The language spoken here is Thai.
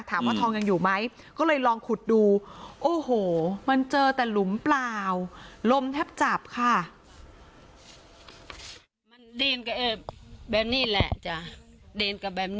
ทองยังอยู่ไหมก็เลยลองขุดดูโอ้โหมันเจอแต่หลุมเปล่าลมแทบจับค่ะ